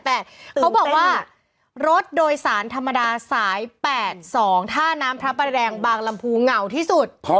เขาบอกว่ารถโดยสารธรรมดาสาย๘๒ท่าน้ำพระประแดงบางลำพูเหงาที่สุด